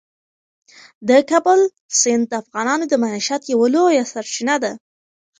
د کابل سیند د افغانانو د معیشت یوه لویه سرچینه ده.